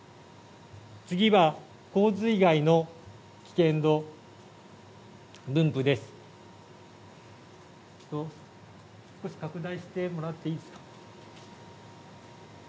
次は洪水害の危険度分布です。